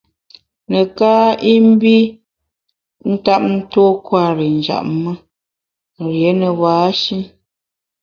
Neká i mbi ntap tuo kwer i njap me, rié ne ba-shi.